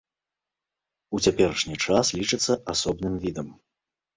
У цяперашні час лічыцца асобным відам.